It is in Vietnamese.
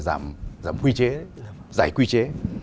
giảm quy chế giải quy chế